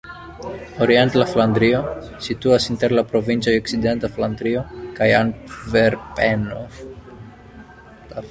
Orienta Flandrio situas inter la provincoj Okcidenta Flandrio kaj Antverpeno.